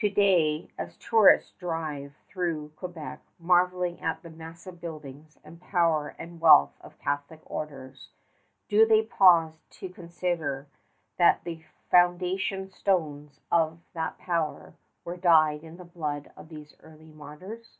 To day, as tourists drive through Quebec, marveling at the massive buildings and power and wealth of Catholic orders, do they pause to consider that the foundation stones of that power were dyed in the blood of these early martyrs?